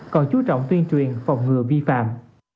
còn chú trọng tuyên truyền phòng ngừa bi phạm